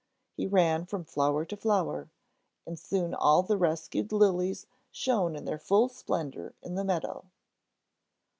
He ran from flower to flower, and soon all the rescued lilies shone in their full splendor in the meadow.